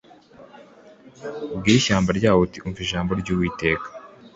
ubwire ishyamba ryaho uti ‘Umva ijambo ry’Uwiteka